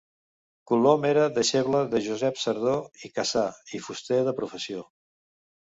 Colom era deixeble de Josep Sardó i Cassà i fuster de professió.